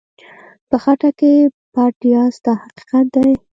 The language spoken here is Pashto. په خټه کې پټ یاست دا حقیقت دی.